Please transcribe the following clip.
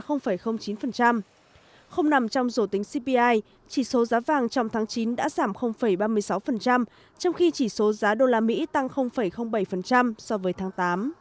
không nằm trong rổ tính cpi chỉ số giá vàng trong tháng chín đã giảm ba mươi sáu trong khi chỉ số giá đô la mỹ tăng bảy so với tháng tám